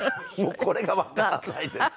これがわかんないですよ。